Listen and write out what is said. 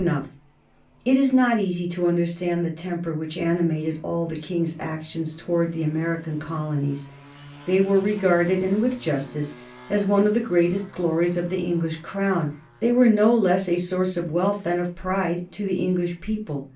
[Sidenote: 1765 Friction with the American colonists] It is not easy to understand the temper which animated all the King's actions towards the American colonies. They were regarded, and with justice, as one of the greatest glories of the English crown; they were no less a source of wealth than of pride to the English people.